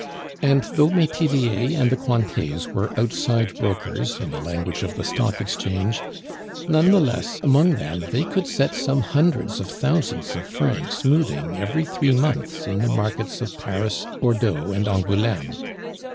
And though Metivier and the Cointets were "outside brokers," in the language of the Stock Exchange, none the less among them they could set some hundreds of thousands of francs moving every three months in the markets of Paris, Bordeaux, and Angouleme.